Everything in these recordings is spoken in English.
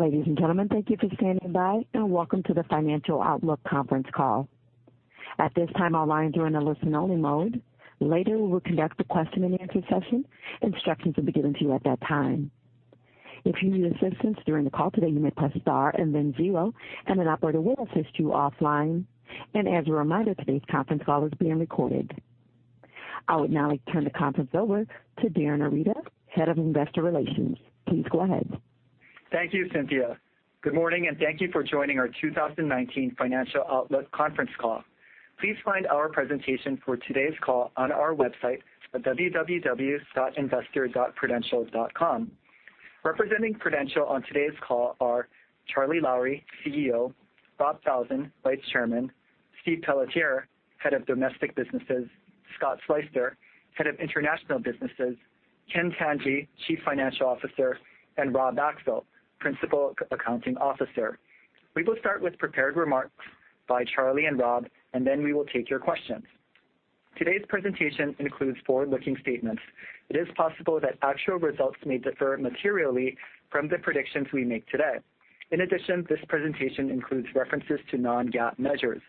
Ladies and gentlemen, thank you for standing by. Welcome to the Financial Outlook Conference Call. At this time, all lines are in a listen-only mode. Later, we will conduct a question-and-answer session. Instructions will be given to you at that time. If you need assistance during the call today, you may press star and then zero, and an operator will assist you offline. As a reminder, today's conference call is being recorded. I would now like to turn the conference over to Darin Arita, Head of Investor Relations. Please go ahead. Thank you, Cynthia. Good morning. Thank you for joining our 2019 Financial Outlook Conference Call. Please find our presentation for today's call on our website at www.investor.prudential.com. Representing Prudential on today's call are Charlie Lowrey, CEO; Rob Falzon, Vice Chairman; Steve Pelletier, Head of Domestic Businesses; Scott Sleyster, Head of International Businesses; Ken Tanji, Chief Financial Officer; and Rob Axel, Principal Accounting Officer. We will start with prepared remarks by Charlie and Rob. Then we will take your questions. Today's presentation includes forward-looking statements. It is possible that actual results may differ materially from the predictions we make today. In addition, this presentation includes references to non-GAAP measures.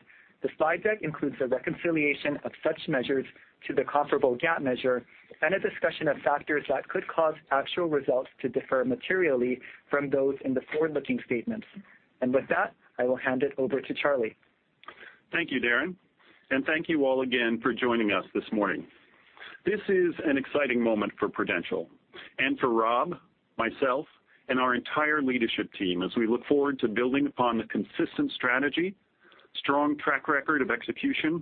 The slide deck includes a reconciliation of such measures to the comparable GAAP measure and a discussion of factors that could cause actual results to differ materially from those in the forward-looking statements. With that, I will hand it over to Charlie. Thank you, Darin. Thank you all again for joining us this morning. This is an exciting moment for Prudential and for Rob, myself, and our entire leadership team as we look forward to building upon the consistent strategy, strong track record of execution,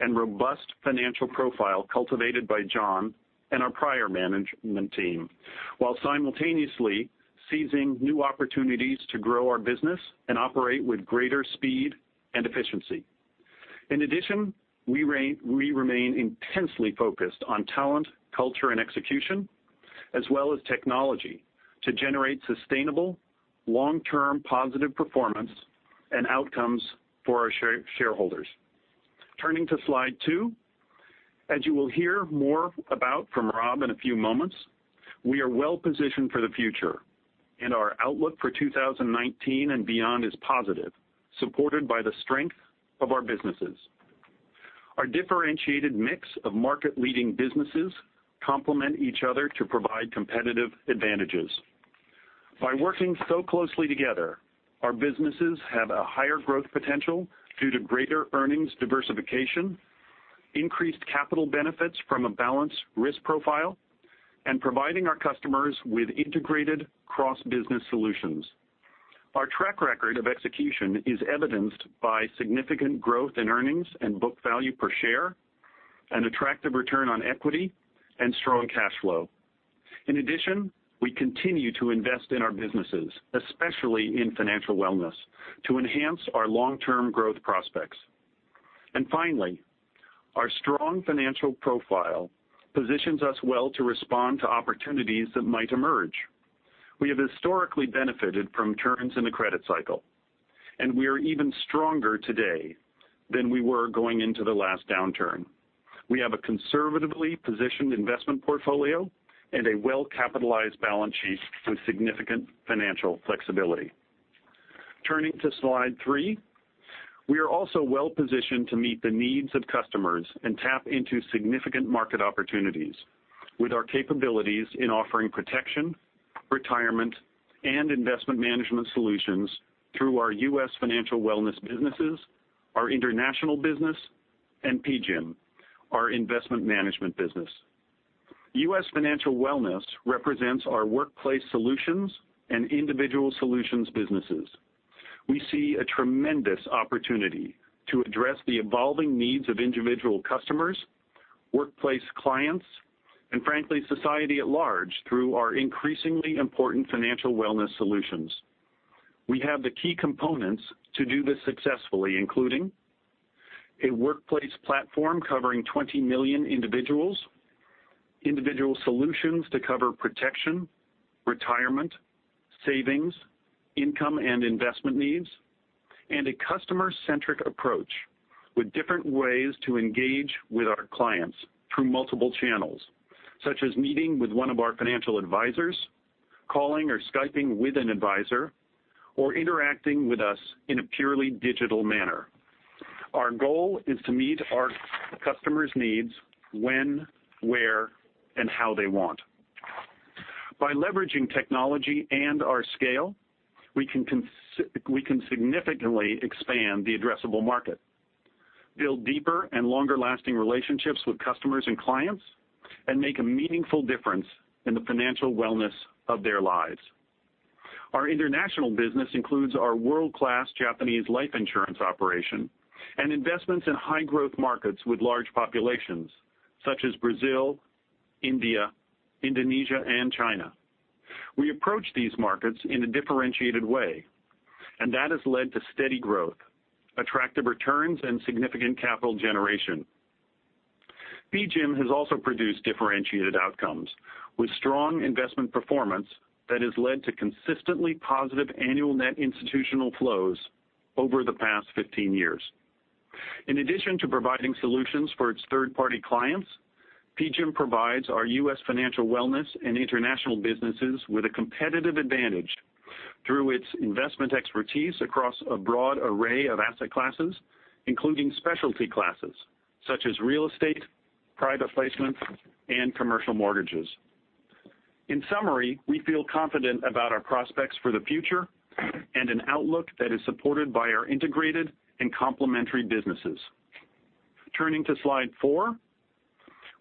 and robust financial profile cultivated by John and our prior management team while simultaneously seizing new opportunities to grow our business and operate with greater speed and efficiency. In addition, we remain intensely focused on talent, culture, and execution, as well as technology to generate sustainable long-term positive performance and outcomes for our shareholders. Turning to Slide 2. As you will hear more about from Rob in a few moments, we are well-positioned for the future. Our outlook for 2019 and beyond is positive, supported by the strength of our businesses. Our differentiated mix of market-leading businesses complement each other to provide competitive advantages. By working so closely together, our businesses have a higher growth potential due to greater earnings diversification, increased capital benefits from a balanced risk profile, and providing our customers with integrated cross-business solutions. Our track record of execution is evidenced by significant growth in earnings and book value per share, an attractive return on equity, and strong cash flow. In addition, we continue to invest in our businesses, especially in financial wellness, to enhance our long-term growth prospects. Finally, our strong financial profile positions us well to respond to opportunities that might emerge. We have historically benefited from turns in the credit cycle, and we are even stronger today than we were going into the last downturn. We have a conservatively positioned investment portfolio and a well-capitalized balance sheet with significant financial flexibility. Turning to Slide 3. We are also well-positioned to meet the needs of customers and tap into significant market opportunities with our capabilities in offering protection, retirement, and investment management solutions through our U.S. Financial Wellness businesses, our international business, and PGIM, our investment management business. U.S. Financial Wellness represents our workplace solutions and individual solutions businesses. We see a tremendous opportunity to address the evolving needs of individual customers, workplace clients, and frankly, society at large through our increasingly important financial wellness solutions. We have the key components to do this successfully, including a workplace platform covering 20 million individuals, individual solutions to cover protection, retirement, savings, income, and investment needs, and a customer-centric approach with different ways to engage with our clients through multiple channels, such as meeting with one of our financial advisors, calling or Skyping with an advisor, or interacting with us in a purely digital manner. Our goal is to meet our customers' needs when, where, and how they want. By leveraging technology and our scale, we can significantly expand the addressable market, build deeper and longer-lasting relationships with customers and clients, and make a meaningful difference in the financial wellness of their lives. Our international business includes our world-class Japanese life insurance operation and investments in high-growth markets with large populations such as Brazil, India, Indonesia, and China. We approach these markets in a differentiated way, and that has led to steady growth, attractive returns, and significant capital generation. PGIM has also produced differentiated outcomes with strong investment performance that has led to consistently positive annual net institutional flows over the past 15 years. In addition to providing solutions for its third-party clients, PGIM provides our U.S. Financial Wellness and international businesses with a competitive advantage through its investment expertise across a broad array of asset classes, including specialty classes such as real estate, private placements, and commercial mortgages. In summary, we feel confident about our prospects for the future and an outlook that is supported by our integrated and complementary businesses. Turning to slide four,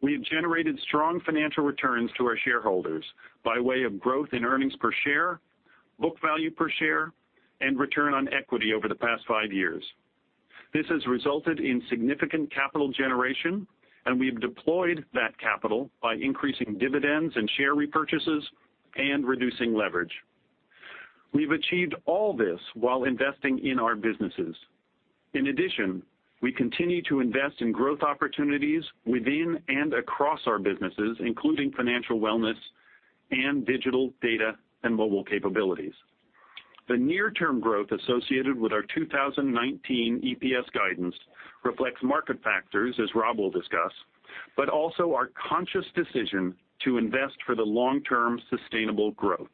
we have generated strong financial returns to our shareholders by way of growth in earnings per share, book value per share, and return on equity over the past five years. This has resulted in significant capital generation, and we've deployed that capital by increasing dividends and share repurchases and reducing leverage. We've achieved all this while investing in our businesses. In addition, we continue to invest in growth opportunities within and across our businesses, including financial wellness and digital data and mobile capabilities. The near-term growth associated with our 2019 EPS guidance reflects market factors, as Rob will discuss, but also our conscious decision to invest for the long-term sustainable growth.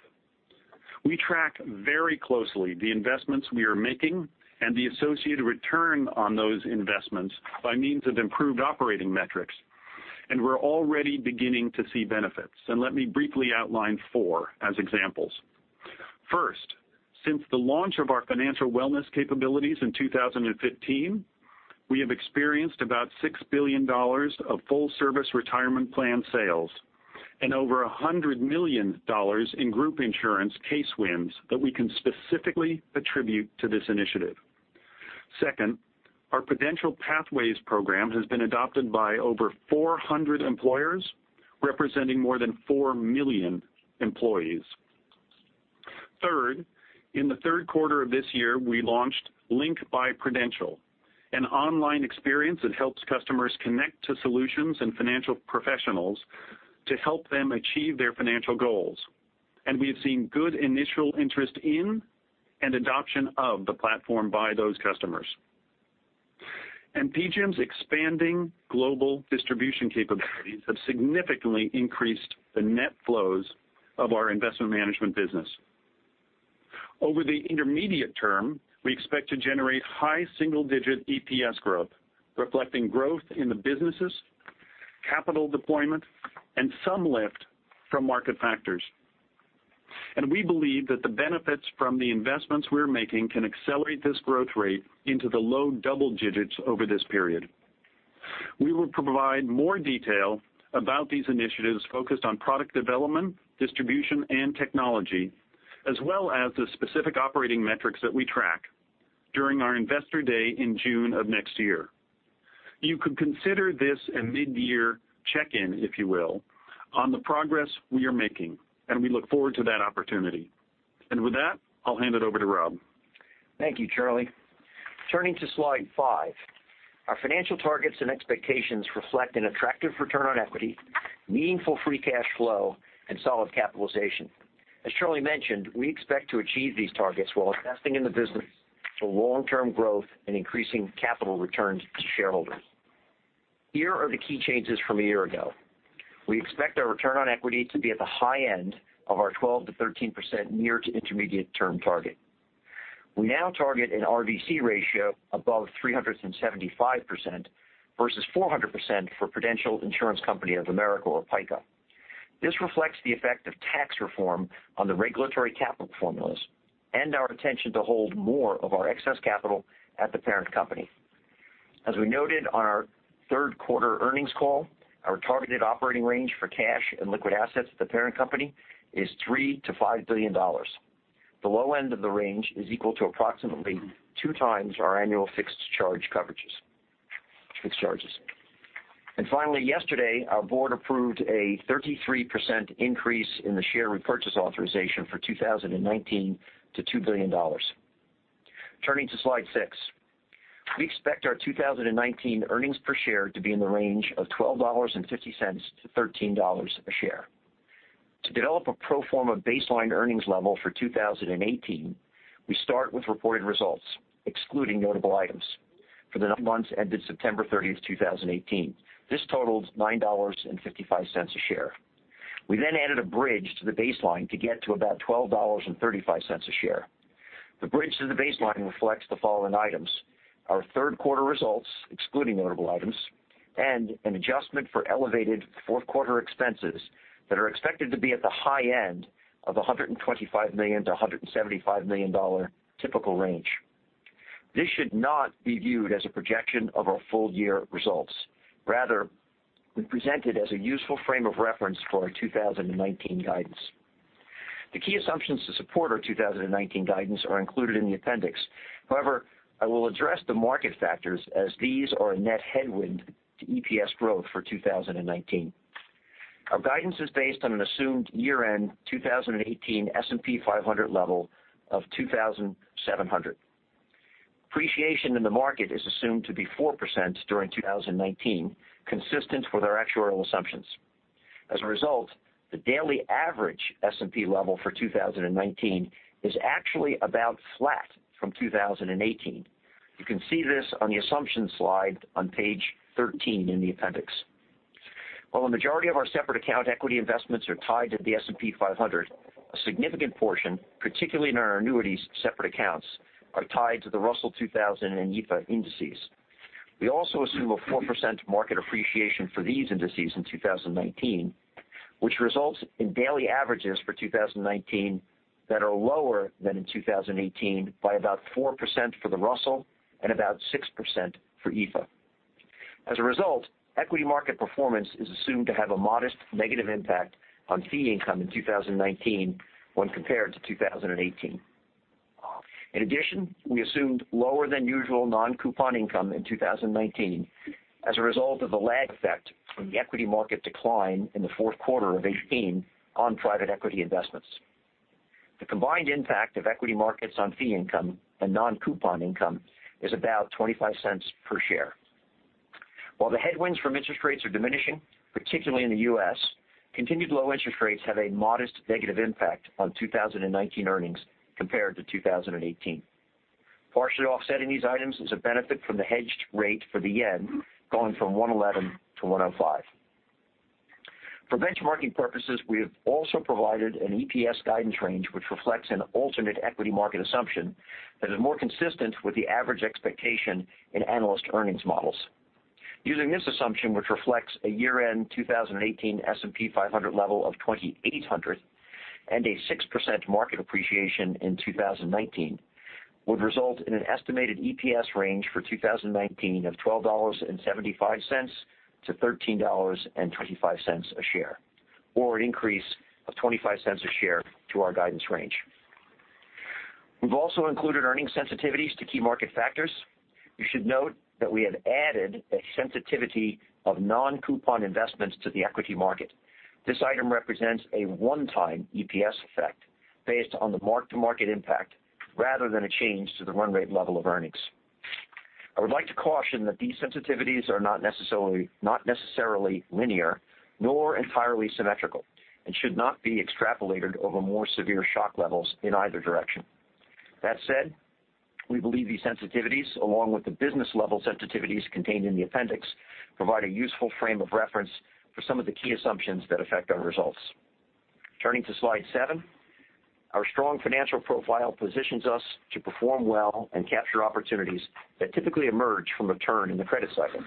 We track very closely the investments we are making and the associated return on those investments by means of improved operating metrics. We're already beginning to see benefits. Let me briefly outline four as examples. First, since the launch of our financial wellness capabilities in 2015, we have experienced about $6 billion of full-service retirement plan sales and over $100 million in group insurance case wins that we can specifically attribute to this initiative. Second, our Prudential Pathways program has been adopted by over 400 employers, representing more than 4 million employees. Third, in the third quarter of this year, we launched Link by Prudential, an online experience that helps customers connect to solutions and financial professionals to help them achieve their financial goals. We have seen good initial interest in and adoption of the platform by those customers. PGIM's expanding global distribution capabilities have significantly increased the net flows of our investment management business. Over the intermediate term, we expect to generate high single-digit EPS growth, reflecting growth in the businesses, capital deployment, and some lift from market factors. We believe that the benefits from the investments we're making can accelerate this growth rate into the low double digits over this period. We will provide more detail about these initiatives focused on product development, distribution, and technology, as well as the specific operating metrics that we track during our Investor Day in June of next year. You could consider this a mid-year check-in, if you will, on the progress we are making, and we look forward to that opportunity. With that, I'll hand it over to Rob. Thank you, Charlie. Turning to slide five, our financial targets and expectations reflect an attractive return on equity, meaningful free cash flow, and solid capitalization. As Charlie mentioned, we expect to achieve these targets while investing in the business for long-term growth and increasing capital returns to shareholders. Here are the key changes from a year ago. We expect our return on equity to be at the high end of our 12% to 13% near to intermediate-term target. We now target an RBC ratio above 375% versus 400% for The Prudential Insurance Company of America or PICA. This reflects the effect of tax reform on the regulatory capital formulas and our intention to hold more of our excess capital at the parent company. As we noted on our third-quarter earnings call, our targeted operating range for cash and liquid assets at the parent company is $3 billion to $5 billion. The low end of the range is equal to approximately two times our annual fixed charges. Finally, yesterday, our board approved a 33% increase in the share repurchase authorization for 2019 to $2 billion. Turning to slide six, we expect our 2019 earnings per share to be in the range of $12.50-$13 a share. To develop a pro forma baseline earnings level for 2018, we start with reported results, excluding notable items, for the months ended September 30, 2018. This totals $9.55 a share. We then added a bridge to the baseline to get to about $12.35 a share. The bridge to the baseline reflects the following items: our third-quarter results, excluding notable items, and an adjustment for elevated fourth-quarter expenses that are expected to be at the high end of $125 million-$175 million typical range. This should not be viewed as a projection of our full-year results. Rather, we present it as a useful frame of reference for our 2019 guidance. The key assumptions to support our 2019 guidance are included in the appendix. I will address the market factors as these are a net headwind to EPS growth for 2019. Our guidance is based on an assumed year-end 2018 S&P 500 level of 2,700. Appreciation in the market is assumed to be 4% during 2019, consistent with our actuarial assumptions. As a result, the daily average S&P level for 2019 is actually about flat from 2018. You can see this on the assumption slide on page 13 in the appendix. While the majority of our separate account equity investments are tied to the S&P 500, a significant portion, particularly in our annuities separate accounts, are tied to the Russell 2000 and EAFE indices. We also assume a 4% market appreciation for these indices in 2019, which results in daily averages for 2019 that are lower than in 2018 by about 4% for the Russell and about 6% for EAFE. As a result, equity market performance is assumed to have a modest negative impact on fee income in 2019 when compared to 2018. In addition, we assumed lower than usual non-coupon income in 2019 as a result of the lag effect from the equity market decline in the fourth quarter of 2018 on private equity investments. The combined impact of equity markets on fee income and non-coupon income is about $0.25 per share. While the headwinds from interest rates are diminishing, particularly in the U.S., continued low interest rates have a modest negative impact on 2019 earnings compared to 2018. Partially offsetting these items is a benefit from the hedged rate for the JPY going from 111 to 105. For benchmarking purposes, we have also provided an EPS guidance range which reflects an alternate equity market assumption that is more consistent with the average expectation in analyst earnings models. Using this assumption, which reflects a year-end 2018 S&P 500 level of 2,800 and a 6% market appreciation in 2019, would result in an estimated EPS range for 2019 of $12.75-$13.25 a share, or an increase of $0.25 a share to our guidance range. We've also included earning sensitivities to key market factors. You should note that we have added a sensitivity of non-coupon investments to the equity market. This item represents a one-time EPS effect based on the mark-to-market impact rather than a change to the run rate level of earnings. I would like to caution that these sensitivities are not necessarily linear nor entirely symmetrical and should not be extrapolated over more severe shock levels in either direction. That said, we believe these sensitivities, along with the business-level sensitivities contained in the appendix, provide a useful frame of reference for some of the key assumptions that affect our results. Turning to slide seven, our strong financial profile positions us to perform well and capture opportunities that typically emerge from a turn in the credit cycle.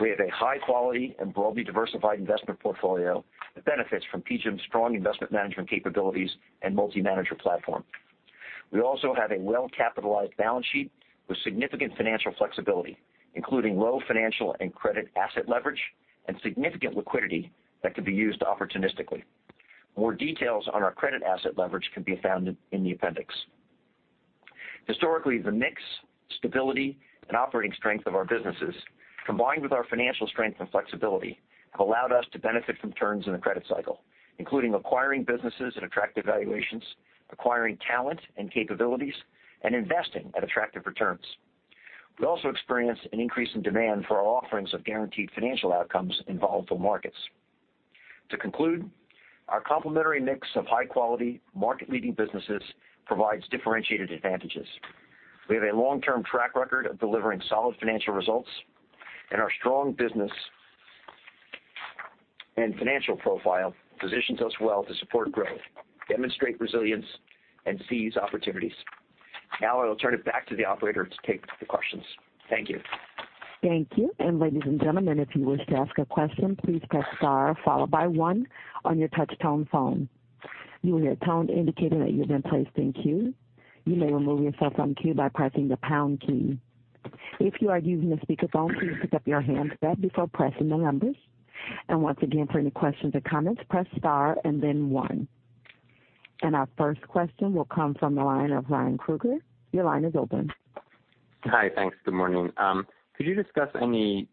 We have a high-quality and broadly diversified investment portfolio that benefits from PGIM's strong investment management capabilities and multi-manager platform. We also have a well-capitalized balance sheet with significant financial flexibility, including low financial and credit asset leverage and significant liquidity that could be used opportunistically. More details on our credit asset leverage can be found in the appendix. Historically, the mix, stability, and operating strength of our businesses, combined with our financial strength and flexibility, have allowed us to benefit from turns in the credit cycle, including acquiring businesses at attractive valuations, acquiring talent and capabilities, and investing at attractive returns. We also experienced an increase in demand for our offerings of guaranteed financial outcomes in volatile markets. To conclude, our complementary mix of high-quality, market-leading businesses provides differentiated advantages. We have a long-term track record of delivering solid financial results, and our strong business and financial profile positions us well to support growth, demonstrate resilience, and seize opportunities. I will turn it back to the operator to take the questions. Thank you. Thank you. Ladies and gentlemen, if you wish to ask a question, please press star followed by one on your touch-tone phone. You will hear a tone indicating that you have been placed in queue. You may remove yourself from queue by pressing the pound key. If you are using a speakerphone, please pick up your handset before pressing the numbers. Once again, for any questions or comments, press star and then one. Our first question will come from the line of Ryan Krueger. Your line is open. Hi. Thanks. Good morning. Could you discuss any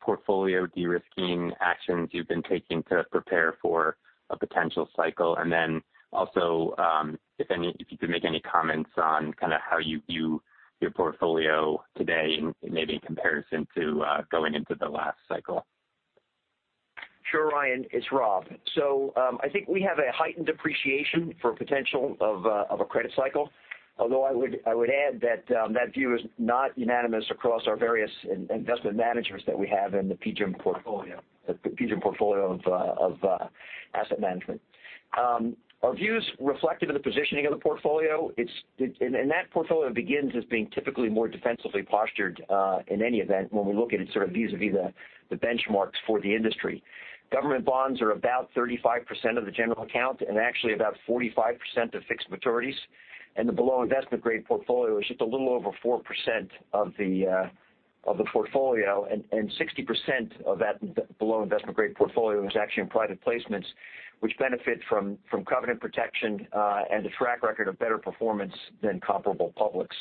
portfolio de-risking actions you've been taking to prepare for a potential cycle? Also, if you could make any comments on how you view your portfolio today in maybe comparison to going into the last cycle. Sure, Ryan. It's Rob. I think we have a heightened appreciation for potential of a credit cycle, although I would add that view is not unanimous across our various investment managers that we have in the PGIM portfolio of asset management. Our views reflective of the positioning of the portfolio, and that portfolio begins as being typically more defensively postured in any event when we look at it vis-à-vis the benchmarks for the industry. Government bonds are about 35% of the general account and actually about 45% of fixed maturities, and the below investment-grade portfolio is just a little over 4% of the portfolio, and 60% of that below investment-grade portfolio is actually in private placements, which benefit from covenant protection and a track record of better performance than comparable publics.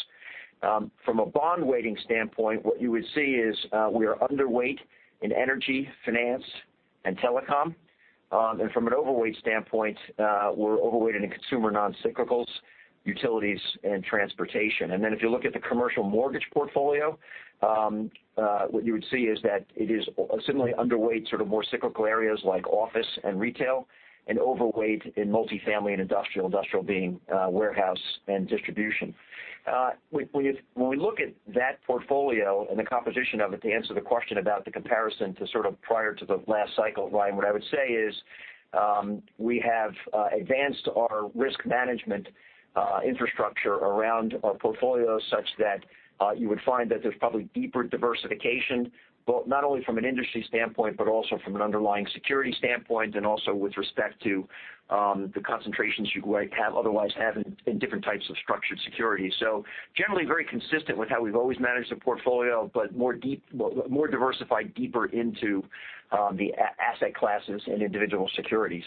From a bond weighting standpoint, what you would see is we are underweight in energy, finance, and telecom. From an overweight standpoint, we're overweighted in consumer non-cyclicals, utilities, and transportation. If you look at the commercial mortgage portfolio, what you would see is that it is similarly underweight sort of more cyclical areas like office and retail and overweight in multi-family and industrial being warehouse and distribution. When we look at that portfolio and the composition of it, to answer the question about the comparison to sort of prior to the last cycle, Ryan, what I would say is, we have advanced our risk management infrastructure around our portfolio such that you would find that there's probably deeper diversification, both not only from an industry standpoint but also from an underlying security standpoint, and also with respect to the concentrations you might otherwise have in different types of structured securities. Generally very consistent with how we've always managed the portfolio, but more diversified deeper into the asset classes and individual securities.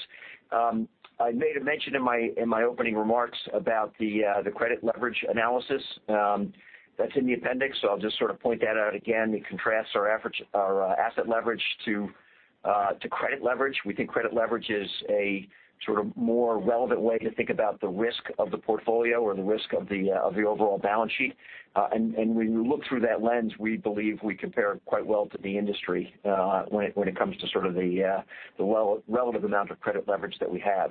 I made a mention in my opening remarks about the credit leverage analysis that's in the appendix, I'll just sort of point that out again. It contrasts our asset leverage to credit leverage. We think credit leverage is a sort of more relevant way to think about the risk of the portfolio or the risk of the overall balance sheet. When you look through that lens, we believe we compare quite well to the industry, when it comes to sort of the relevant amount of credit leverage that we have.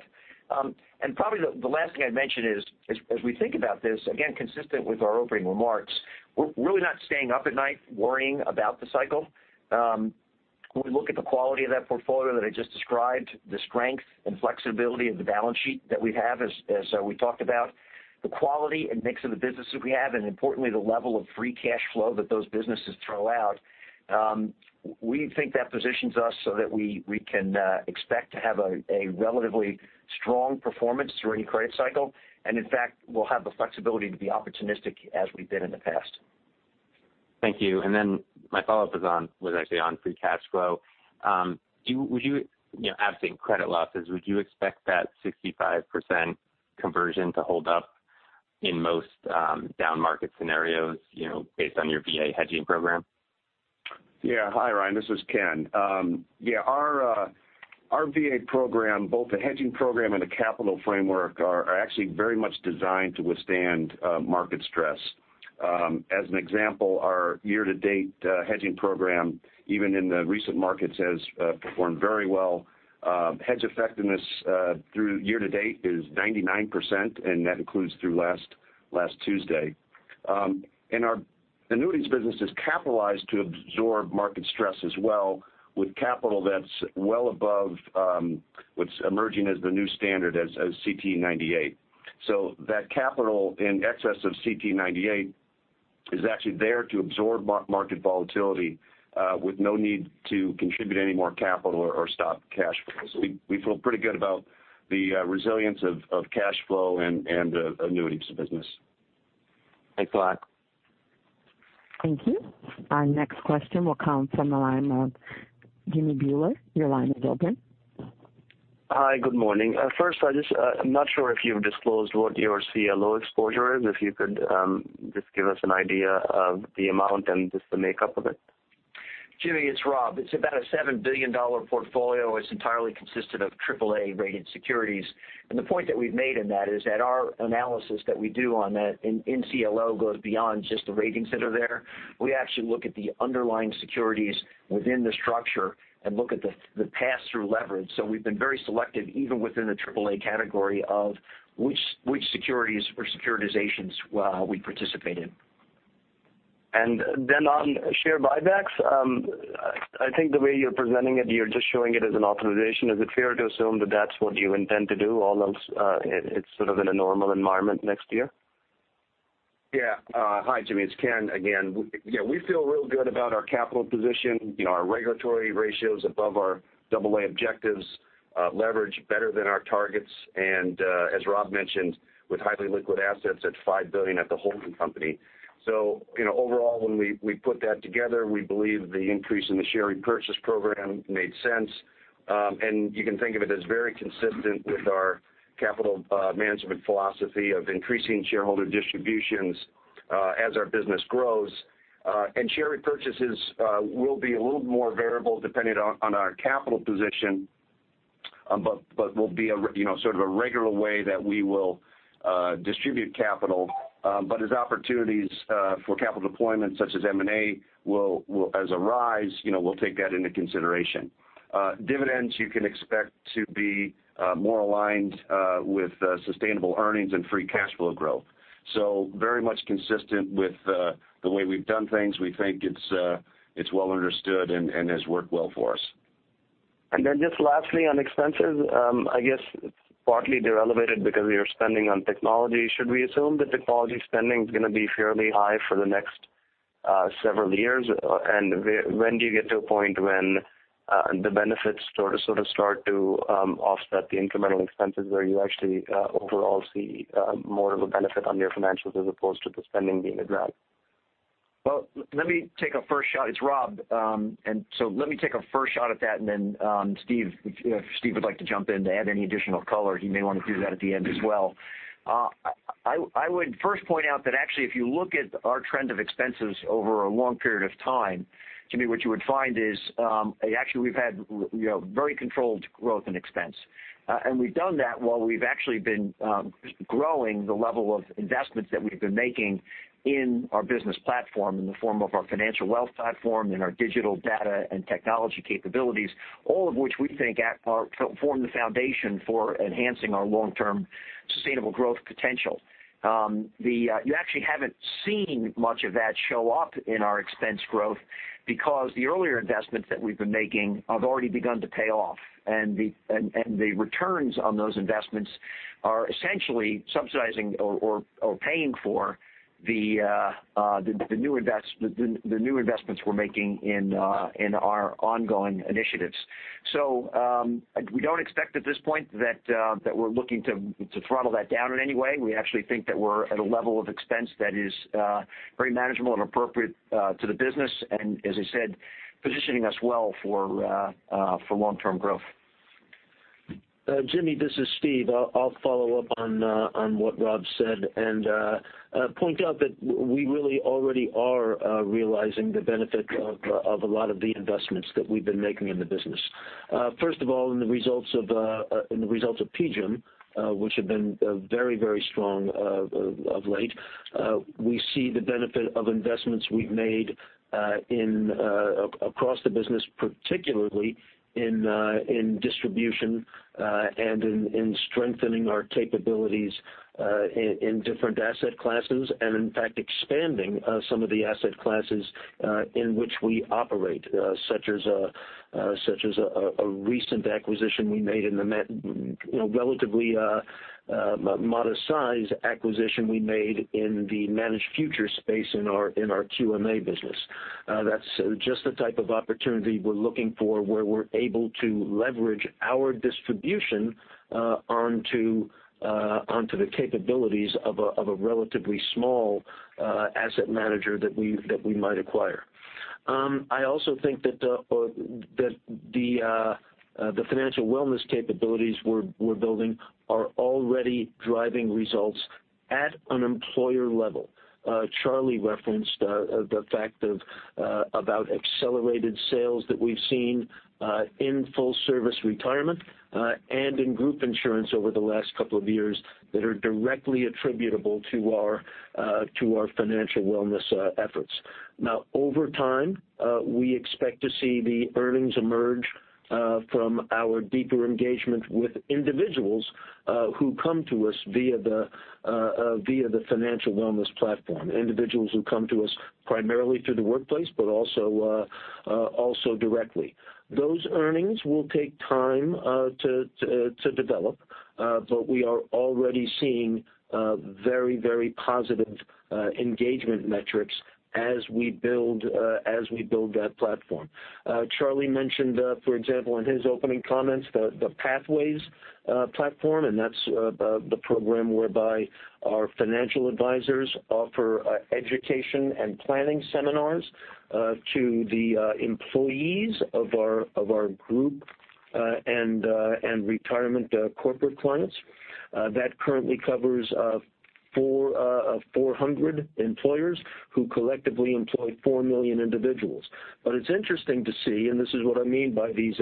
Probably the last thing I'd mention is as we think about this, again, consistent with our opening remarks, we're really not staying up at night worrying about the cycle. When we look at the quality of that portfolio that I just described, the strength and flexibility of the balance sheet that we have as we talked about, the quality and mix of the businesses we have, and importantly, the level of free cash flow that those businesses throw out, we think that positions us so that we can expect to have a relatively strong performance through any credit cycle. In fact, we'll have the flexibility to be opportunistic as we've been in the past. Thank you. My follow-up was on actually on free cash flow. Would you, absent credit losses, would you expect that 65% conversion to hold up in most downmarket scenarios based on your VA hedging program? Hi, Ryan. This is Ken. Our VA program, both the hedging program and the capital framework, are actually very much designed to withstand market stress. As an example, our year-to-date hedging program, even in the recent markets, has performed very well. Hedge effectiveness through year-to-date is 99%, and that includes through last Tuesday. Our annuities business is capitalized to absorb market stress as well with capital that's well above what's emerging as the new standard as CT 98. That capital in excess of CT 98 is actually there to absorb market volatility, with no need to contribute any more capital or stop cash flow. We feel pretty good about the resilience of cash flow and the annuities business. Thanks a lot. Thank you. Our next question will come from the line of Jimmy Bhullar. Your line is open. Hi. Good morning. First, I'm not sure if you've disclosed what your CLO exposure is. If you could just give us an idea of the amount and just the makeup of it. Jimmy, it's Rob. It's about a $7 billion portfolio. It's entirely consisted of triple A-rated securities. The point that we've made in that is that our analysis that we do on that in CLO goes beyond just the ratings that are there. We actually look at the underlying securities within the structure and look at the pass-through leverage. We've been very selective, even within the triple A category of which securities or securitizations we participate in. On share buybacks, I think the way you're presenting it, you're just showing it as an authorization. Is it fair to assume that that's what you intend to do almost it's sort of in a normal environment next year? Yeah. Hi, Jimmy. It's Ken again. Yeah, we feel real good about our capital position. Our regulatory ratio's above our double A objectives, leverage better than our targets, and, as Rob mentioned, with highly liquid assets at $5 billion at the holding company. Overall, when we put that together, we believe the increase in the share repurchase program made sense. You can think of it as very consistent with our capital management philosophy of increasing shareholder distributions as our business grows. Share repurchases will be a little more variable depending on our capital position, but will be sort of a regular way that we will distribute capital. As opportunities for capital deployment such as M&A will arise, we'll take that into consideration. Dividends you can expect to be more aligned with sustainable earnings and free cash flow growth. Very much consistent with the way we've done things. We think it's well understood and has worked well for us. Lastly on expenses, I guess partly they're elevated because you're spending on technology. Should we assume that technology spending is going to be fairly high for the next several years? When do you get to a point when the benefits sort of start to offset the incremental expenses where you actually overall see more of a benefit on your financials as opposed to the spending being a drag? Let me take a first shot. It's Rob. Let me take a first shot at that, then Steve, if Steve would like to jump in to add any additional color, he may want to do that at the end as well. I would first point out that actually, if you look at our trend of expenses over a long period of time, Jimmy, what you would find is, actually we've had very controlled growth in expense. We've done that while we've actually been growing the level of investments that we've been making in our business platform in the form of our financial wellness platform and our digital data and technology capabilities. All of which we think form the foundation for enhancing our long-term sustainable growth potential. You actually haven't seen much of that show up in our expense growth because the earlier investments that we've been making have already begun to pay off, and the returns on those investments are essentially subsidizing or paying for the new investments we're making in our ongoing initiatives. We don't expect at this point that we're looking to throttle that down in any way. We actually think that we're at a level of expense that is very manageable and appropriate to the business and, as I said, positioning us well for long-term growth. Jimmy, this is Steve. I'll follow up on what Rob said and point out that we really already are realizing the benefit of a lot of the investments that we've been making in the business. First of all, in the results of PGIM, which have been very strong of late. We see the benefit of investments we've made across the business, particularly in distribution, and in strengthening our capabilities in different asset classes and in fact, expanding some of the asset classes in which we operate such as a recent acquisition we made in the relatively modest size acquisition we made in the managed future space in our QMA business. That's just the type of opportunity we're looking for where we're able to leverage our distribution onto the capabilities of a relatively small asset manager that we might acquire. I also think that the financial wellness capabilities we're building are already driving results at an employer level. Charlie referenced the fact about accelerated sales that we've seen in full service retirement, and in group insurance over the last couple of years that are directly attributable to our financial wellness efforts. Over time, we expect to see the earnings emerge from our deeper engagement with individuals who come to us via the financial wellness platform, individuals who come to us primarily through the workplace, but also directly. Those earnings will take time to develop. We are already seeing very positive engagement metrics as we build that platform. Charlie mentioned, for example, in his opening comments, the Prudential Pathways platform, and that's the program whereby our financial advisors offer education and planning seminars to the employees of our group and retirement corporate clients. That currently covers 400 employers who collectively employ 4 million individuals. It's interesting to see, and this is what I mean by these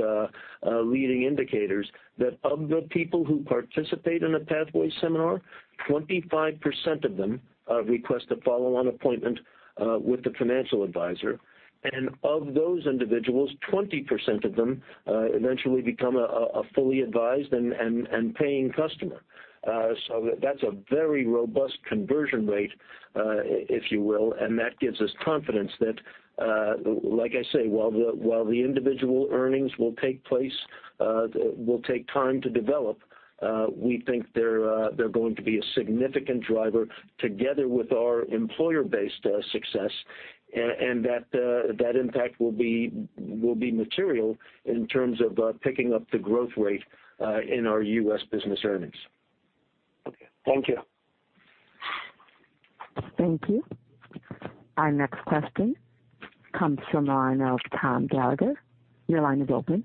leading indicators, that of the people who participate in a Prudential Pathways seminar, 25% of them request a follow-on appointment with the financial advisor. Of those individuals, 20% of them eventually become a fully advised and paying customer. That's a very robust conversion rate, if you will, and that gives us confidence that like I say, while the individual earnings will take time to develop, we think they're going to be a significant driver together with our employer-based success and that impact will be material in terms of picking up the growth rate in our U.S. business earnings. Okay. Thank you. Thank you. Our next question comes from the line of Tom Gallagher. Your line is open.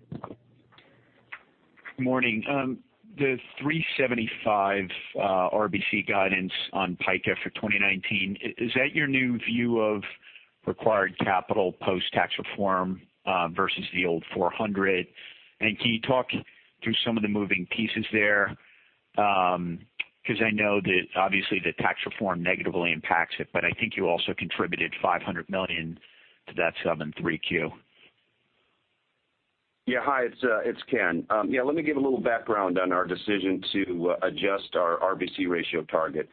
Morning. The 375% RBC guidance on PICA for 2019, is that your new view of required capital post-tax reform versus the old 400%? Can you talk through some of the moving pieces there? I know that obviously the tax reform negatively impacts it, but I think you also contributed $500 million to that sum in 3Q. Yeah. Hi, it's Ken. Yeah, let me give a little background on our decision to adjust our RBC ratio target.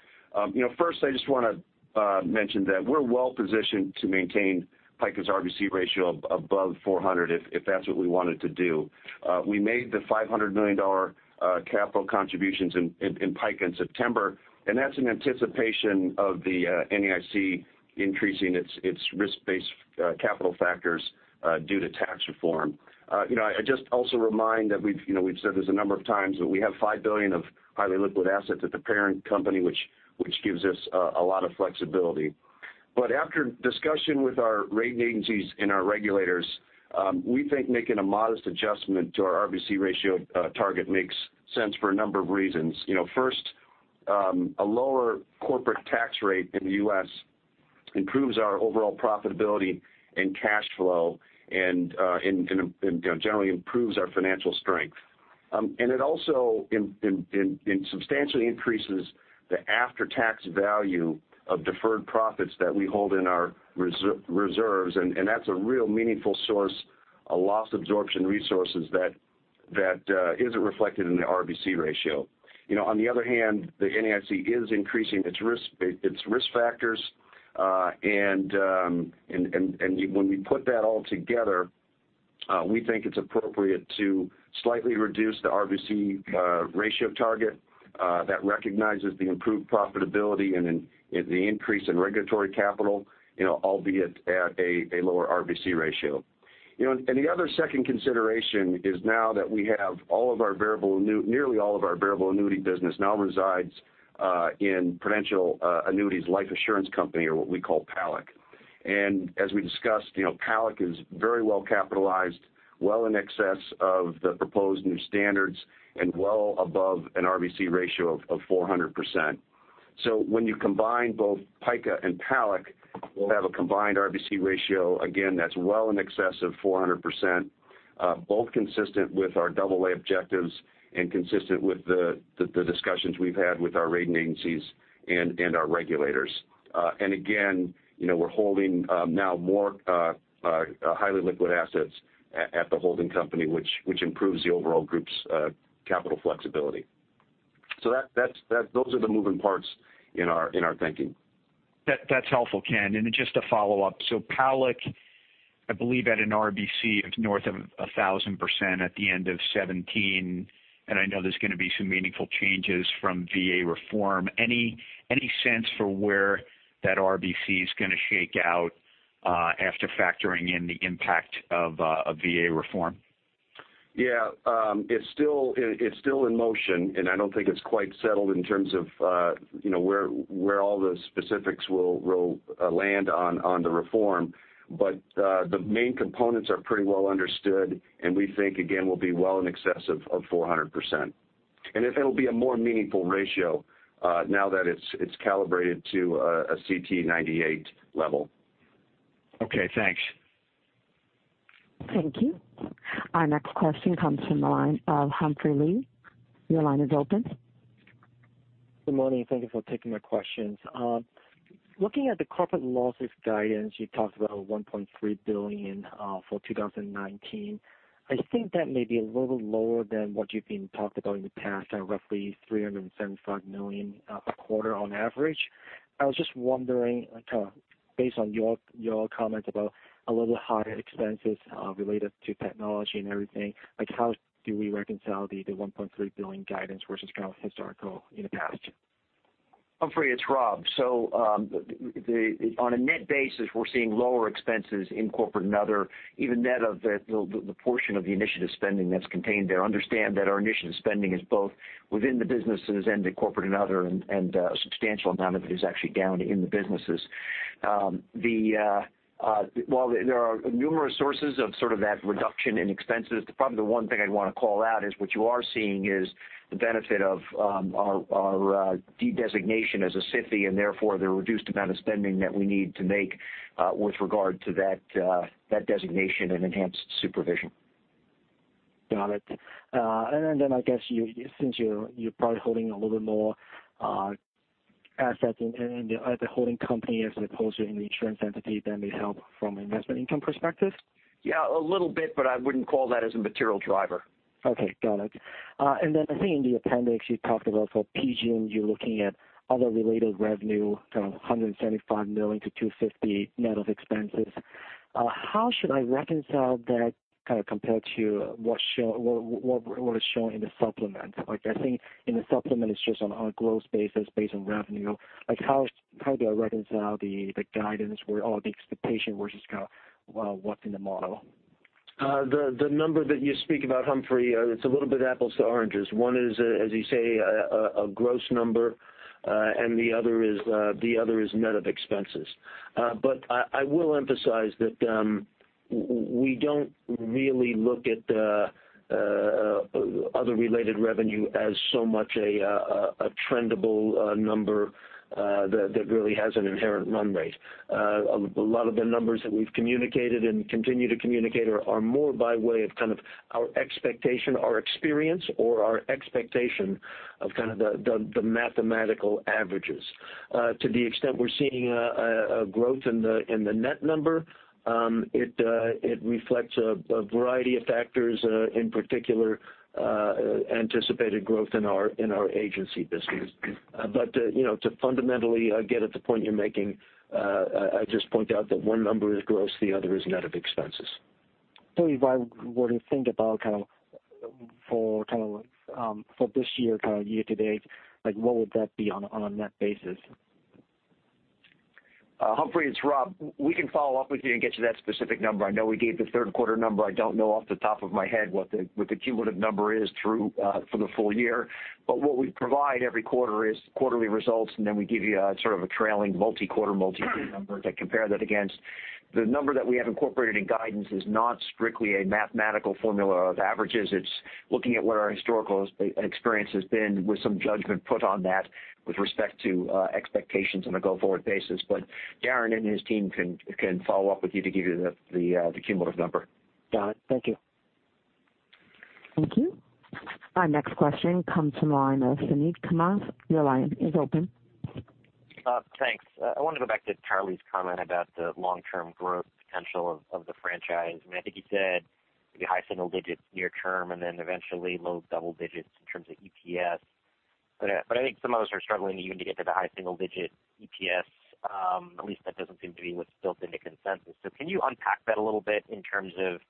First, I just want to mention that we're well positioned to maintain PICA's RBC ratio above 400% if that's what we wanted to do. We made the $500 million capital contributions in PICA in September, and that's in anticipation of the NAIC increasing its risk-based capital factors due to tax reform. I just also remind that we've said this a number of times, that we have $5 billion of highly liquid assets at the parent company, which gives us a lot of flexibility. After discussion with our rating agencies and our regulators, we think making a modest adjustment to our RBC ratio target makes sense for a number of reasons. First, a lower corporate tax rate in the U.S. improves our overall profitability and cash flow, generally improves our financial strength. It also substantially increases the after-tax value of deferred profits that we hold in our reserves, and that's a real meaningful source of loss absorption resources that isn't reflected in the RBC ratio. On the other hand, the NAIC is increasing its risk factors, when we put that all together, we think it's appropriate to slightly reduce the RBC ratio target that recognizes the improved profitability and the increase in regulatory capital, albeit at a lower RBC ratio. The other second consideration is now that nearly all of our variable annuity business now resides in Prudential Annuities Life Assurance Corporation or what we call PALAC. As we discussed, PALAC is very well capitalized, well in excess of the proposed new standards and well above an RBC ratio of 400%. When you combine both PICA and PALAC, we'll have a combined RBC ratio, again, that's well in excess of 400%, both consistent with our double A objectives and consistent with the discussions we've had with our rating agencies and our regulators. Again, we're holding now more highly liquid assets at the holding company, which improves the overall group's capital flexibility. Those are the moving parts in our thinking. That's helpful, Ken. Just a follow-up. PALAC, I believe, had an RBC of north of 1,000% at the end of 2017, and I know there's going to be some meaningful changes from VA reform. Any sense for where that RBC is going to shake out after factoring in the impact of VA reform? Yeah. It's still in motion, and I don't think it's quite settled in terms of where all the specifics will land on the reform. The main components are pretty well understood, and we think, again, we'll be well in excess of 400%. It'll be a more meaningful ratio now that it's calibrated to a CT 98 level. Okay, thanks. Thank you. Our next question comes from the line of Humphrey Lee. Your line is open. Good morning. Thank you for taking my questions. Looking at the corporate losses guidance, you talked about $1.3 billion for 2019. I think that may be a little lower than what you've been talked about in the past, at roughly $375 million per quarter on average. I was just wondering, based on your comments about a little higher expenses related to technology and everything, how do we reconcile the $1.3 billion guidance versus kind of historical in the past? Humphrey, it's Rob. On a net basis, we're seeing lower expenses in corporate and other, even net of the portion of the initiative spending that's contained there. Understand that our initiative spending is both within the businesses and the corporate and other, and a substantial amount of it is actually down in the businesses. While there are numerous sources of that reduction in expenses, probably the one thing I'd want to call out is what you are seeing is the benefit of our de-designation as a SIFI, and therefore, the reduced amount of spending that we need to make with regard to that designation and enhanced supervision. Got it. Then I guess since you're probably holding a little bit more assets at the holding company as opposed to in the insurance entity, that may help from an investment income perspective? Yeah, a little bit, but I wouldn't call that as a material driver. Okay. Got it. Then I think in the appendix you talked about for PGIM, you're looking at other related revenue, $175 million-$250 million net of expenses. How should I reconcile that kind of compared to what is shown in the supplement? I think in the supplement it's just on a gross basis based on revenue. How do I reconcile the guidance or the expectation versus kind of what's in the model? The number that you speak about, Humphrey, it's a little bit apples to oranges. One is, as you say, a gross number, and the other is net of expenses. I will emphasize that we don't really look at other related revenue as so much a trendable number that really has an inherent run rate. A lot of the numbers that we've communicated and continue to communicate are more by way of kind of our expectation, our experience or our expectation of kind of the mathematical averages. To the extent we're seeing a growth in the net number, it reflects a variety of factors, in particular anticipated growth in our agency business. To fundamentally get at the point you're making, I'd just point out that one number is gross, the other is net of expenses. If I were to think about for this year, kind of year-to-date, what would that be on a net basis? Humphrey, it's Rob. We can follow up with you and get you that specific number. I know we gave the third quarter number. I don't know off the top of my head what the cumulative number is through for the full year. What we provide every quarter is quarterly results, and then we give you a trailing multi-quarter, multi-year number to compare that against. The number that we have incorporated in guidance is not strictly a mathematical formula of averages. It's looking at what our historical experience has been with some judgment put on that with respect to expectations on a go-forward basis. Darin and his team can follow up with you to give you the cumulative number. Got it. Thank you. Thank you. Our next question comes from the line of Suneet Kamath. Your line is open. Thanks. I want to go back to Charlie's comment about the long-term growth potential of the franchise. I think he said maybe high single digits near term, and then eventually low double digits in terms of EPS. I think some of us are struggling even to get to the high single-digit EPS. At least that doesn't seem to be what's built into consensus. Can you unpack that a little bit in terms of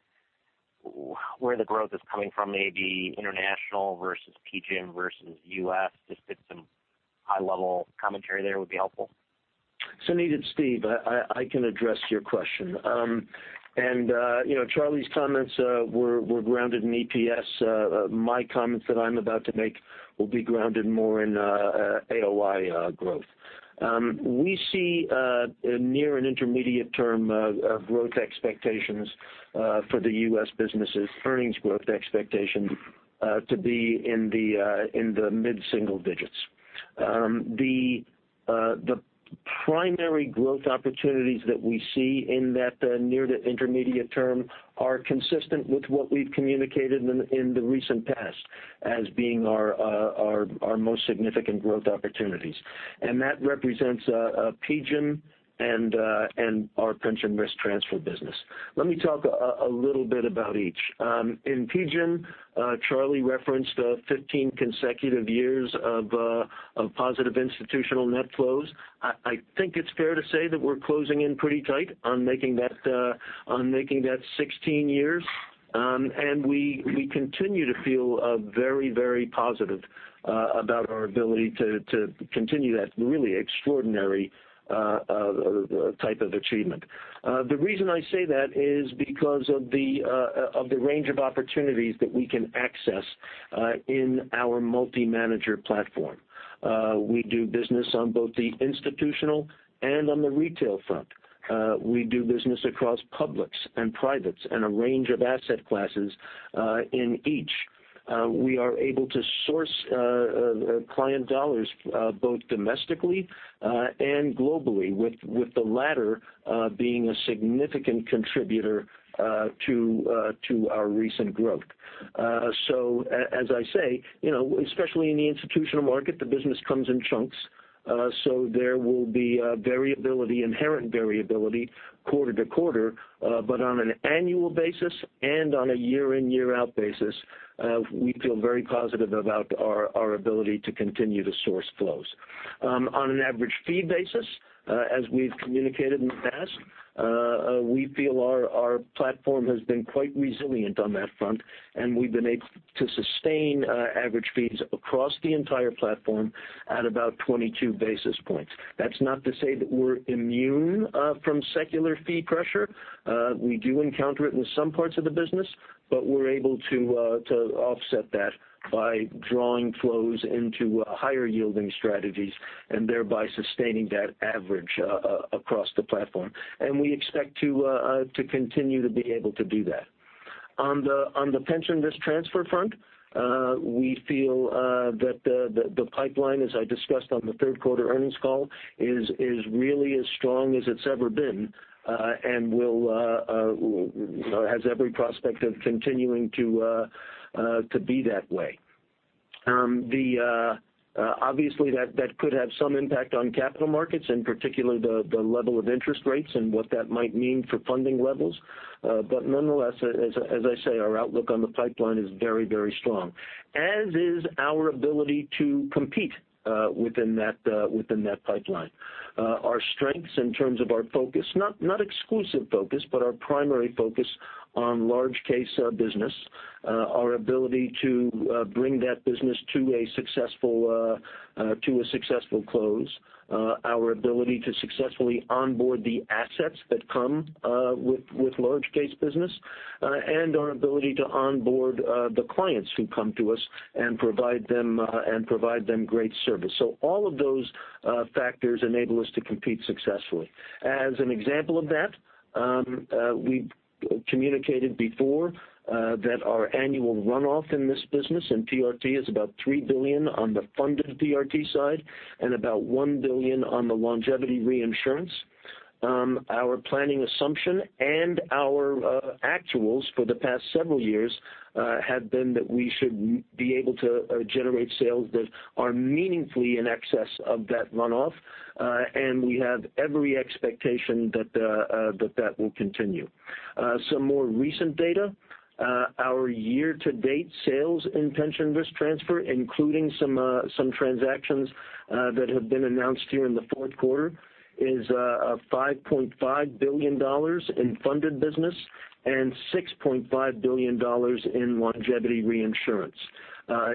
where the growth is coming from? Maybe international versus PGIM versus U.S. Just get some high-level commentary there would be helpful. Suneet, it's Steve. I can address your question. Charlie's comments were grounded in EPS. My comments that I'm about to make will be grounded more in AOI growth. We see near and intermediate term growth expectations for the U.S. businesses, earnings growth expectation to be in the mid-single digits. The primary growth opportunities that we see in that near to intermediate term are consistent with what we've communicated in the recent past as being our most significant growth opportunities. That represents PGIM and our pension risk transfer business. Let me talk a little bit about each. In PGIM, Charlie referenced 15 consecutive years of positive institutional net flows. I think it's fair to say that we're closing in pretty tight on making that 16 years. We continue to feel very positive about our ability to continue that really extraordinary type of achievement. The reason I say that is because of the range of opportunities that we can access in our multi-manager platform. We do business on both the institutional and on the retail front. We do business across publics and privates and a range of asset classes in each. We are able to source client dollars both domestically and globally, with the latter being a significant contributor to our recent growth. As I say, especially in the institutional market, the business comes in chunks. There will be variability, inherent variability quarter to quarter. On an annual basis and on a year in, year out basis, we feel very positive about our ability to continue to source flows. On an average fee basis, as we've communicated in the past, we feel our platform has been quite resilient on that front, and we've been able to sustain average fees across the entire platform at about 22 basis points. That's not to say that we're immune from secular fee pressure. We do encounter it in some parts of the business, but we're able to offset that by drawing flows into higher yielding strategies and thereby sustaining that average across the platform. We expect to continue to be able to do that. On the pension risk transfer front, we feel that the pipeline, as I discussed on the third quarter earnings call, is really as strong as it's ever been, and has every prospect of continuing to be that way. Obviously, that could have some impact on capital markets, and particularly the level of interest rates and what that might mean for funding levels. Nonetheless, as I say, our outlook on the pipeline is very strong, as is our ability to compete within that pipeline. Our strengths in terms of our focus, not exclusive focus, but our primary focus on large case business, our ability to bring that business to a successful close, our ability to successfully onboard the assets that come with large case business, and our ability to onboard the clients who come to us and provide them great service. All of those factors enable us to compete successfully. As an example of that, we've communicated before that our annual runoff in this business in PRT is about $3 billion on the funded PRT side and about $1 billion on the longevity reinsurance. Our planning assumption and our actuals for the past several years have been that we should be able to generate sales that are meaningfully in excess of that runoff. We have every expectation that that will continue. Some more recent data. Our year to date sales in pension risk transfer, including some transactions that have been announced here in the fourth quarter, is $5.5 billion in funded business and $6.5 billion in longevity reinsurance.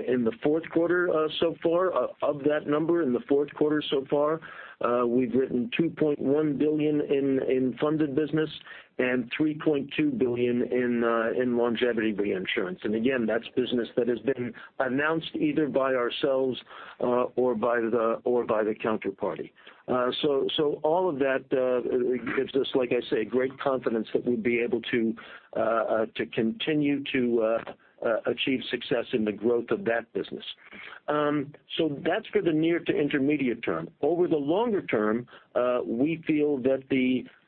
In the fourth quarter so far, of that number in the fourth quarter so far, we've written $2.1 billion in funded business and $3.2 billion in longevity reinsurance. Again, that's business that has been announced either by ourselves or by the counterparty. All of that gives us, like I say, great confidence that we'll be able to continue to achieve success in the growth of that business. That's for the near to intermediate term. Over the longer term, we feel that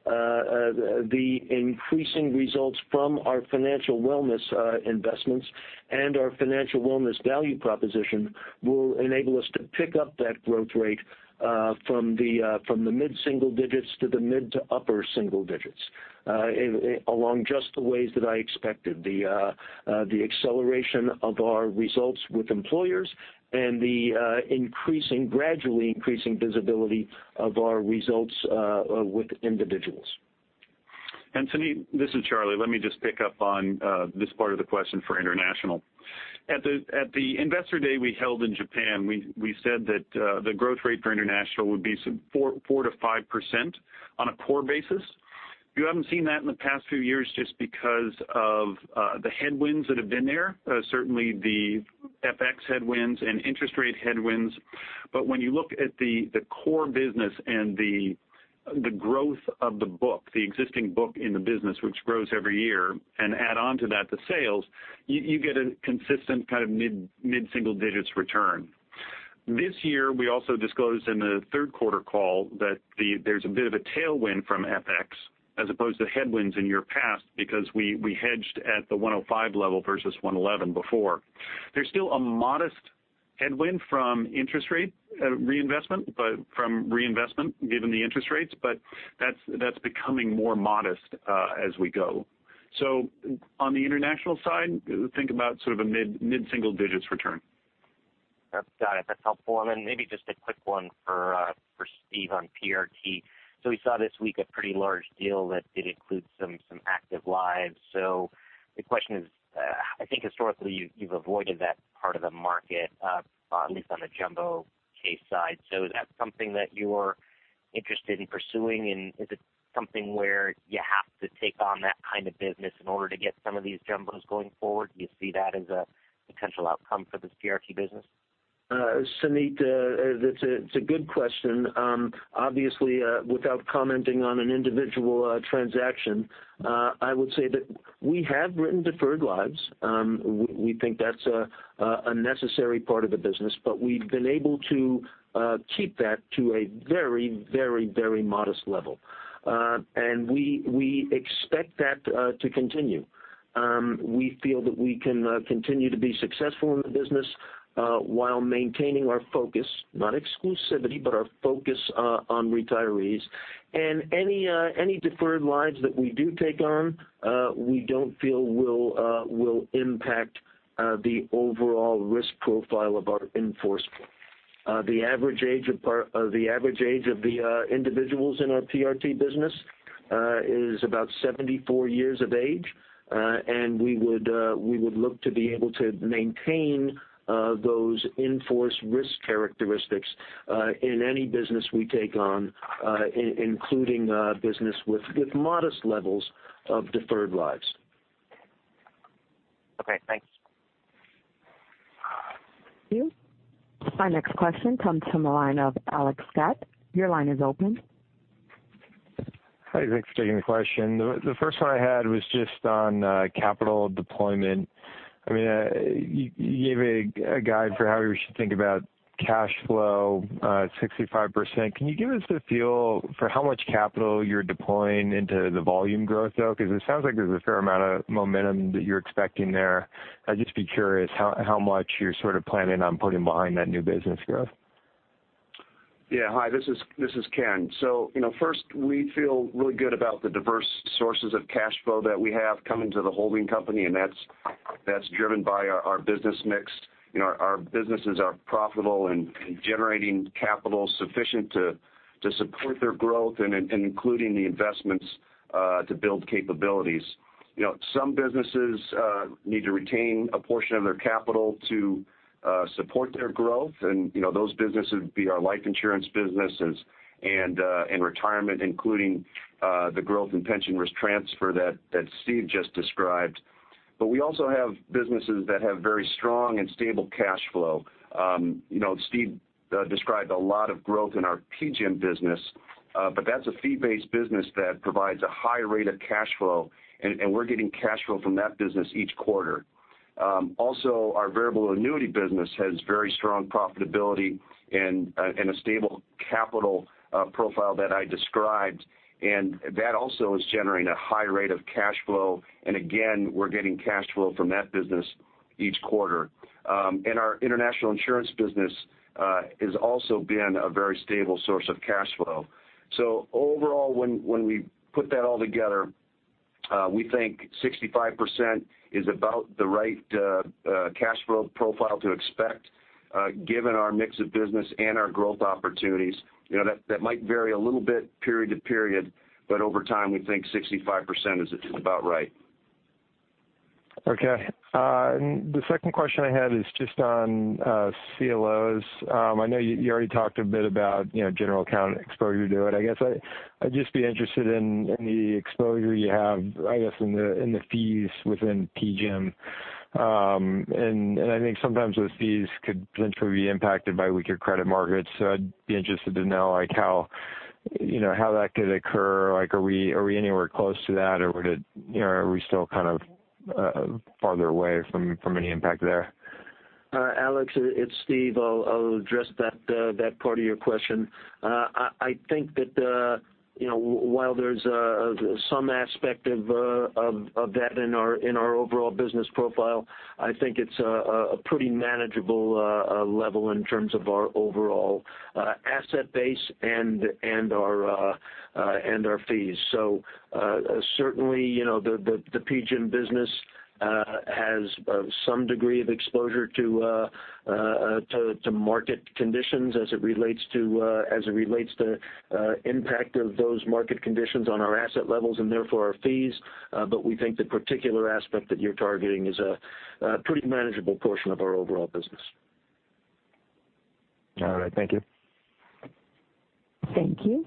the increasing results from our financial wellness investments and our financial wellness value proposition will enable us to pick up that growth rate from the mid-single digits to the mid to upper single digits, along just the ways that I expected. The acceleration of our results with employers and the gradually increasing visibility of our results with individuals. Suneet, this is Charlie. Let me just pick up on this part of the question for international. At the Investor Day we held in Japan, we said that the growth rate for international would be 4% to 5% on a core basis. You haven't seen that in the past few years just because of the headwinds that have been there. Certainly, the FX headwinds and interest rate headwinds. When you look at the core business and the growth of the book, the existing book in the business, which grows every year, and add on to that, the sales, you get a consistent kind of mid-single digits return. This year, we also disclosed in the third quarter call that there's a bit of a tailwind from FX as opposed to headwinds in year past, because we hedged at the 105 level versus 111 before. There's still a modest headwind from interest rate reinvestment, but from reinvestment given the interest rates. That's becoming more modest as we go. On the international side, think about sort of a mid-single digits return. Got it. That's helpful. Maybe just a quick one for Steve on PRT. We saw this week a pretty large deal that did include some active lives. The question is, I think historically, you've avoided that part of the market, at least on the jumbo case side. Is that something that you are interested in pursuing, and is it something where you have to take on that kind of business in order to get some of these jumbos going forward? Do you see that as a potential outcome for this PRT business? Suneet, it's a good question. Obviously, without commenting on an individual transaction, I would say that we have written deferred lives. We think that's a necessary part of the business, but we've been able to keep that to a very modest level. We expect that to continue. We feel that we can continue to be successful in the business while maintaining our focus, not exclusivity, but our focus on retirees. Any deferred lives that we do take on, we don't feel will impact the overall risk profile of our in-force pool. The average age of the individuals in our PRT business is about 74 years of age, and we would look to be able to maintain those in-force risk characteristics in any business we take on, including business with modest levels of deferred lives. Okay, thanks. Thank you. Our next question comes from the line of Alex Scott. Your line is open. Hi, thanks for taking the question. The first one I had was just on capital deployment. You gave a guide for how we should think about cash flow, 65%. Can you give us a feel for how much capital you're deploying into the volume growth, though? It sounds like there's a fair amount of momentum that you're expecting there. I'd just be curious how much you're sort of planning on putting behind that new business growth. Hi, this is Ken. First, we feel really good about the diverse sources of cash flow that we have coming to the holding company, and that's driven by our business mix. Our businesses are profitable and generating capital sufficient to support their growth and including the investments to build capabilities. Some businesses need to retain a portion of their capital to support their growth, and those businesses would be our life insurance businesses and retirement, including the growth in pension risk transfer that Steve just described. But we also have businesses that have very strong and stable cash flow. Steve described a lot of growth in our PGIM business, but that's a fee-based business that provides a high rate of cash flow, and we're getting cash flow from that business each quarter. Also, our variable annuity business has very strong profitability and a stable capital profile that I described, and that also is generating a high rate of cash flow. Again, we're getting cash flow from that business each quarter. Our international insurance business has also been a very stable source of cash flow. Overall, when we put that all together, we think 65% is about the right cash flow profile to expect Given our mix of business and our growth opportunities, that might vary a little bit period to period, but over time, we think 65% is about right. Okay. The second question I had is just on CLOs. I know you already talked a bit about general account exposure to it. I guess I'd just be interested in the exposure you have, I guess, in the fees within PGIM. I think sometimes those fees could potentially be impacted by weaker credit markets, so I'd be interested to know how that could occur. Are we anywhere close to that or are we still farther away from any impact there? Alex, it's Steve. I'll address that part of your question. I think that while there's some aspect of that in our overall business profile, I think it's a pretty manageable level in terms of our overall asset base and our fees. Certainly, the PGIM business has some degree of exposure to market conditions as it relates to impact of those market conditions on our asset levels and therefore our fees. We think the particular aspect that you're targeting is a pretty manageable portion of our overall business. All right. Thank you. Thank you.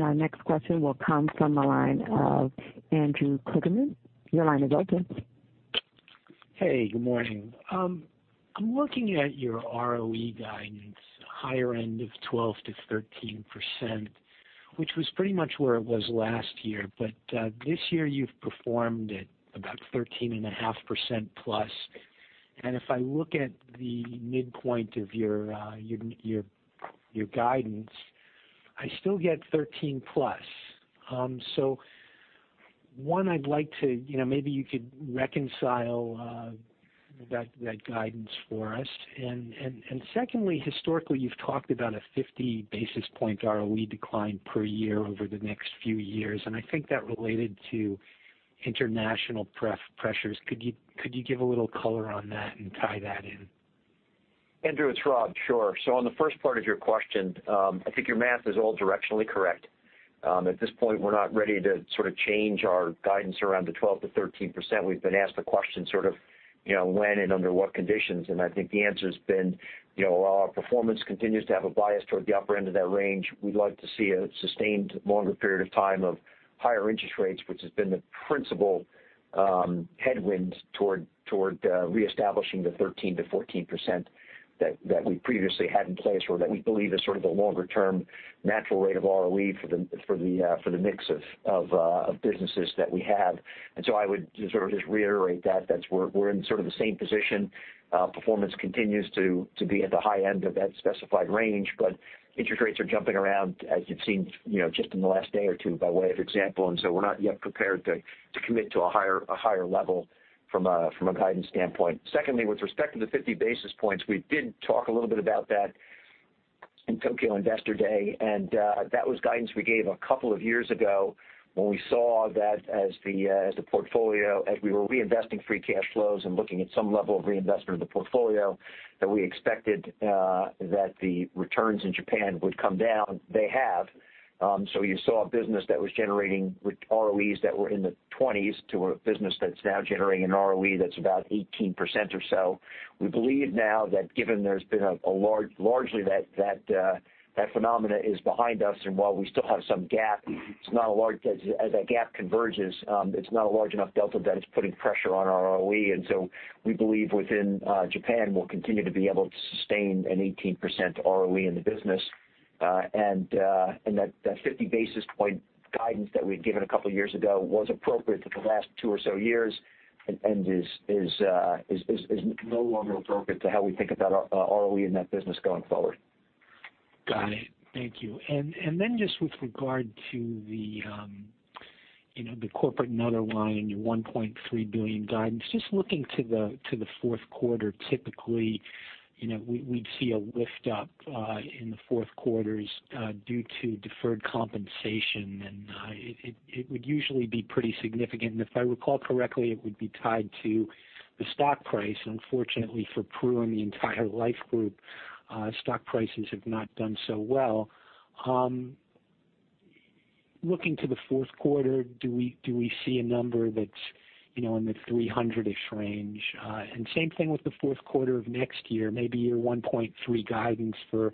Our next question will come from the line of Andrew Kligerman. Your line is open. Hey, good morning. I'm looking at your ROE guidance, higher end of 12%-13%, which was pretty much where it was last year. This year, you've performed at about 13.5%+. If I look at the midpoint of your guidance, I still get 13+. One, maybe you could reconcile that guidance for us. Secondly, historically, you've talked about a 50 basis point ROE decline per year over the next few years, and I think that related to international pressures. Could you give a little color on that and tie that in? Andrew, it's Rob. Sure. On the first part of your question, I think your math is all directionally correct. At this point, we're not ready to change our guidance around the 12%-13%. We've been asked the question when and under what conditions, and I think the answer's been while our performance continues to have a bias toward the upper end of that range, we'd like to see a sustained longer period of time of higher interest rates, which has been the principal headwind toward reestablishing the 13%-14% that we previously had in place or that we believe is sort of the longer-term natural rate of ROE for the mix of businesses that we have. I would just reiterate that we're in sort of the same position. Performance continues to be at the high end of that specified range, interest rates are jumping around as you've seen just in the last day or two by way of example, we're not yet prepared to commit to a higher level from a guidance standpoint. Secondly, with respect to the 50 basis points, we did talk a little bit about that in Tokyo Investor Day, and that was guidance we gave a couple of years ago when we saw that as we were reinvesting free cash flows and looking at some level of reinvestment of the portfolio, that we expected that the returns in Japan would come down. They have. You saw a business that was generating ROEs that were in the 20s to a business that's now generating an ROE that's about 18% or so. We believe now that given there's been largely that phenomena is behind us, and while we still have some gap, as that gap converges, it's not a large enough delta that it's putting pressure on our ROE. We believe within Japan, we'll continue to be able to sustain an 18% ROE in the business. That 50 basis point guidance that we had given a couple of years ago was appropriate for the last two or so years and is no longer appropriate to how we think about our ROE in that business going forward. Got it. Thank you. Then just with regard to the corporate and other line, your $1.3 billion guidance, just looking to the fourth quarter, typically we'd see a lift up in the fourth quarters due to deferred compensation, and it would usually be pretty significant. If I recall correctly, it would be tied to the stock price. Unfortunately for Pru and the entire life group, stock prices have not done so well. Looking to the fourth quarter, do we see a number that's in the 300-ish range? Same thing with the fourth quarter of next year, maybe your $1.3 billion guidance for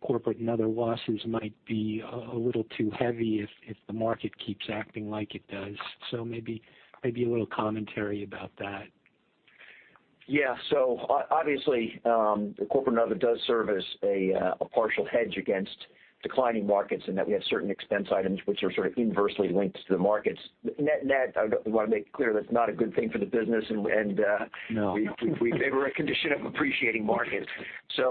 corporate and other losses might be a little too heavy if the market keeps acting like it does. Maybe a little commentary about that. Yeah. Obviously, the corporate and other does serve as a partial hedge against declining markets in that we have certain expense items which are sort of inversely linked to the markets. Net net, I want to make clear that's not a good thing for the business. No. We favor a condition of appreciating markets. Yeah,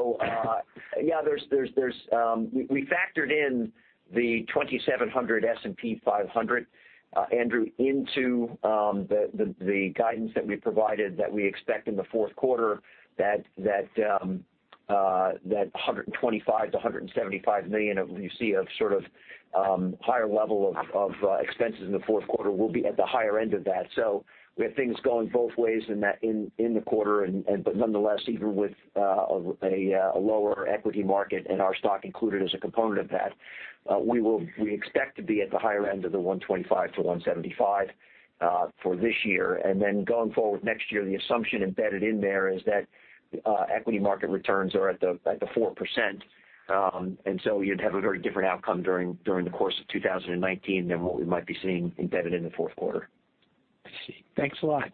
we factored in the 2,700 S&P 500, Andrew, into the guidance that we provided that we expect in the fourth quarter that $125 million to $175 million of you see a sort of higher level of expenses in the fourth quarter will be at the higher end of that. We have things going both ways in the quarter, but nonetheless, even with a lower equity market and our stock included as a component of that, we expect to be at the higher end of the $125 million to $175 million for this year. Then going forward next year, the assumption embedded in there is that equity market returns are at the 4%. You'd have a very different outcome during the course of 2019 than what we might be seeing embedded in the fourth quarter. I see. Thanks a lot.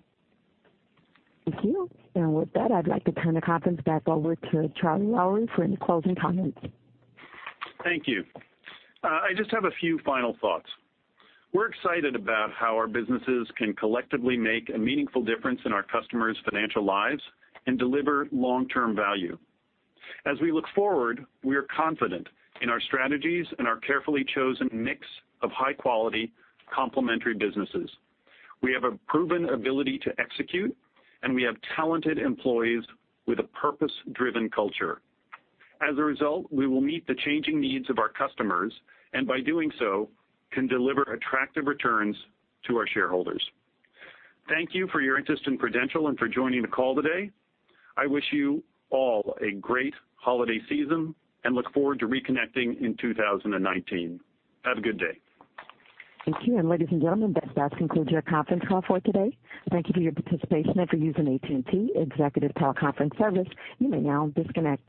Thank you. With that, I'd like to turn the conference back over to Charles Lowrey for any closing comments. Thank you. I just have a few final thoughts. We're excited about how our businesses can collectively make a meaningful difference in our customers' financial lives and deliver long-term value. As we look forward, we are confident in our strategies and our carefully chosen mix of high-quality complementary businesses. We have a proven ability to execute, and we have talented employees with a purpose-driven culture. As a result, we will meet the changing needs of our customers, and by doing so, can deliver attractive returns to our shareholders. Thank you for your interest in Prudential and for joining the call today. I wish you all a great holiday season and look forward to reconnecting in 2019. Have a good day. Thank you. Ladies and gentlemen, that concludes your conference call for today. Thank you for your participation and for using AT&T Executive Conference Service. You may now disconnect.